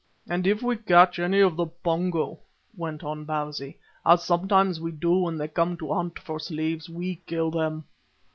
"And if we catch any of the Pongo," went on Bausi, "as sometimes we do when they come to hunt for slaves, we kill them.